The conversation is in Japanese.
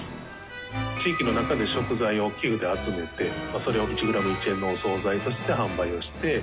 地域の中で食材を寄付で集めてそれを１グラム１円のお総菜として販売をして。